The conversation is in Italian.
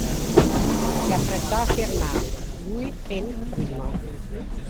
E si affrettò a firmarlo, lui pel primo.